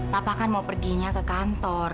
papa kan mau perginya ke kantor